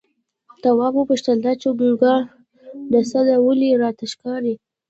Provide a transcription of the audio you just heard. تواب وپوښتل دا چونگا د څه ده ولې راته ښکاري؟